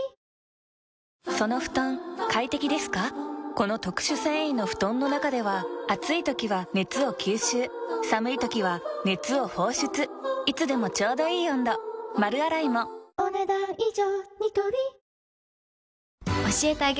この特殊繊維の布団の中では暑い時は熱を吸収寒い時は熱を放出いつでもちょうどいい温度丸洗いもお、ねだん以上。